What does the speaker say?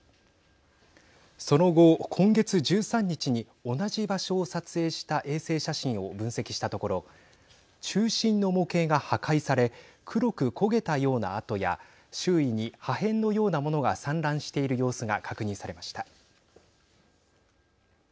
その後、今月１３日に同じ場所を撮影した衛星写真を分析したところ中心の模型が破壊され黒く焦げたような跡や周囲に破片のような物が散乱している様子が確認されました。